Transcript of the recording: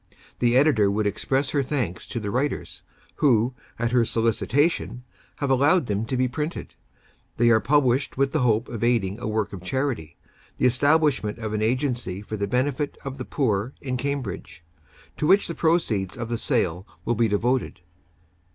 The editor would express her thanks to the writers, who, at her solicitation, have allowed them to be printed. They are published with the hope of aiding a work of charity, the establishment of an Agency for the benefit of the poor in Cambridge, to which the proceeds of the sale will be devoted.